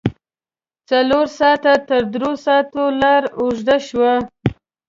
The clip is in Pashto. څلور ساعته تر دروساتو لار اوږده شوه.